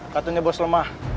katanya bos lemah